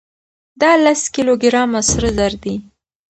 دا لس کيلو ګرامه سره زر دي.